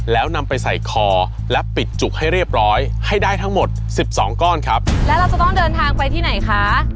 แล้วนำไปใส่คอและปิดจุกให้เรียบร้อยให้ได้ทั้งหมดสิบสองก้อนครับแล้วเราจะต้องเดินทางไปที่ไหนคะ